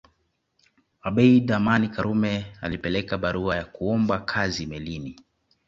Abeid Amani Karume alipeleka barua ya kuomba kazi melini